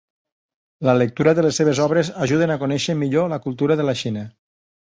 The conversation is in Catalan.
La lectura de les seves obres ajuden a conèixer millor la cultura de la Xina.